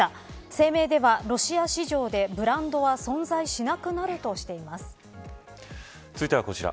声明では、ロシア市場でブランドは存在しなくなる続いてはこちら。